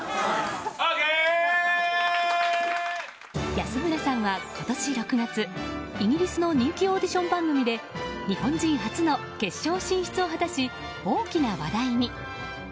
安村さんは今年６月イギリスの人気オーディション番組で日本人初の決勝進出を果たし大きな話題に。